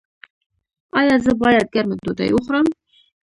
ایا زه باید ګرمه ډوډۍ وخورم؟